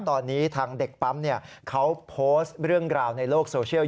ตอนนี้ทางเด็กปั๊มเขาโพสต์เรื่องราวในโลกโซเชียล